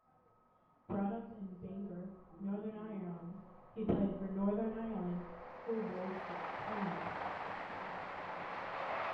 Brought up in Bangor, Northern Ireland, he played for Northern Ireland Schoolboys six times.